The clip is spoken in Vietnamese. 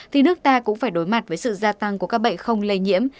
thì nước ta cũng phải đối mặt với sự gia tăng của các bệnh không lây nhiễm